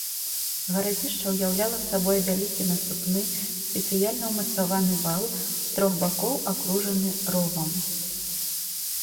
Гарадзішча ўяўляла сабой вялікі насыпны, спецыяльна ўмацаваны вал, з трох бакоў акружаны ровам.